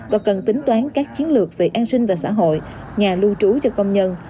và cần tính toán các chiến lược về an sinh và xã hội nhà lưu trú cho công nhân